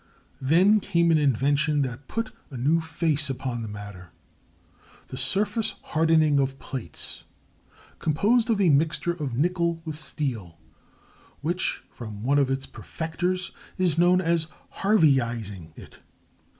Then came an invention that put a new face upon the matter,—the surface hardening of plates, composed of a mixture of nickel with steel,—which, from one of its perfectors, is known as "Harveyizing" it.